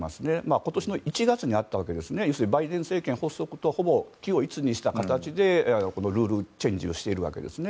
今年の１月にあったわけですからバイデン政権発足とほぼ軌を一にした形でこのルールチェンジをしているわけですね。